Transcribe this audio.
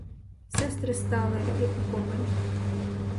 Сестри стали, як укопані.